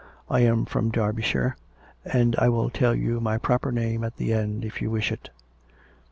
I am from Derbyshire; and I will tell you my proper name at the end, if you wish it."